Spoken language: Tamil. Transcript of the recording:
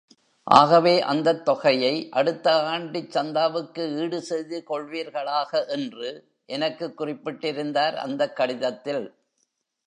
ஆகவே, அந்தத் தொகையை அடுத்த ஆண்டுச் சந்தாவுக்கு ஈடு செய்துகொள்வீர்களாக என்று எனக்கு குறிப்பிட்டிருந்தார், அந்தக் கடிதத்தில்.